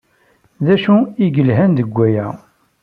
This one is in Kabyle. D acu i yelhan deg waya?